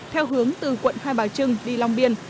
theo hướng từ quận hai bà trưng đi long biên